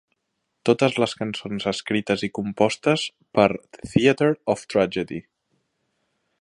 Totes les cançons escrites i compostes per "Theatre of Tragedy".